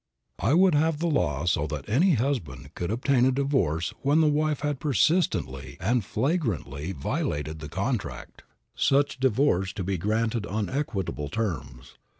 I would have the law so that any husband could obtain a divorce when the wife had persistently and flagrantly violated the contract; such divorce to be granted on equitable terms.